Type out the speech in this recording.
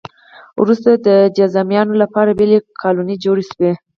وروسته د جذامیانو لپاره بېلې کالونۍ جوړې شوې.